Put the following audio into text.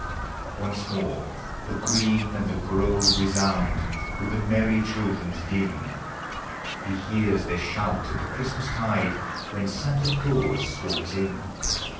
Once more the green and the grove resound With the merry children's din; He hears their shout at the Christmas tide, When Santa Claus stalks in.